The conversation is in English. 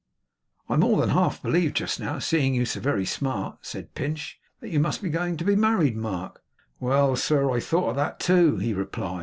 'I more than half believed, just now, seeing you so very smart,' said Pinch, 'that you must be going to be married, Mark.' 'Well, sir, I've thought of that, too,' he replied.